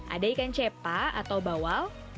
ada ikan cepa atau bawal